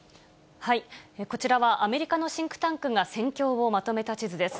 こちらは、アメリカのシンクタンクが戦況をまとめた地図です。